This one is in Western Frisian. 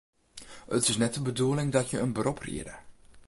It is net de bedoeling dat je in berop riede.